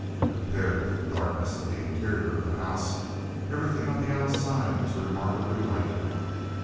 Compared with the darkness of the interior of the house, everything on the outside was remarkably light now.